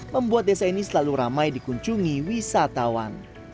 membuat desa ini selalu ramai dikunjungi wisatawan